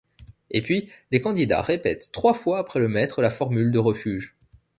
Et puis les candidats répètent trois fois après le maître la formule de refuges.